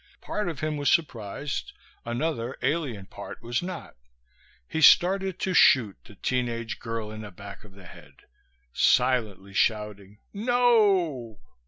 Part of him was surprised, another alien part was not. He started to shoot the teen aged girl in the back of the head, silently shouting _No!